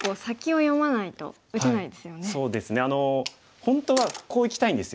本当はこういきたいんですよ。